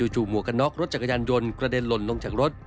จู่หมวกนอกรถจักรยานยนต์กระเด็นลนลงจากรถ